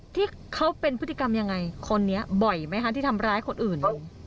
ที่เขาเป็นพฤติกรรมยังไงคนนี้บ่อยไหมคะที่ทำร้ายคนอื่น